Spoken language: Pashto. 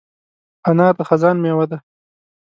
انار د خزان مېوه ده.